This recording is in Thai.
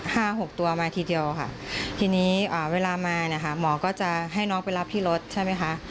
หกตัวมาทีเดียวค่ะทีนี้อ่าเวลามาเนี่ยค่ะหมอก็จะให้น้องไปรับที่รถใช่ไหมคะ